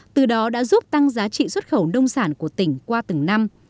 từ đó đã giúp tăng giá trị xuất khẩu nông sản của tỉnh qua từng năm